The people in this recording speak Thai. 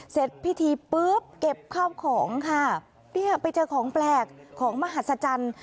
เสร็จพิธีปุ๊บเก็บข้าวของค่ะเนี่ยไปเจอของแปลกของมหัศจรรย์